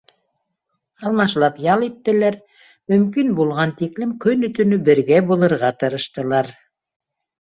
Алмашлап ял иттеләр, мөмкин булған тиклем көнө-төнө бергә булырға тырыштылар.